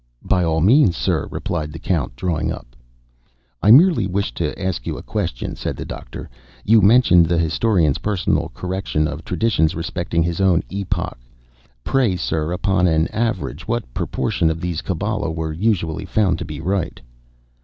"By all means, sir," replied the Count, drawing up. "I merely wished to ask you a question," said the Doctor. "You mentioned the historian's personal correction of traditions respecting his own epoch. Pray, sir, upon an average what proportion of these Kabbala were usually found to be right?"